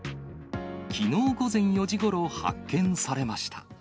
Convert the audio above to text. きのう午前４時ごろ、発見されました。